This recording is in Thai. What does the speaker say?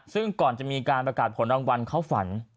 ซึ่งก่อนจะมีการประกาศผลรางวัลเข้าฝัน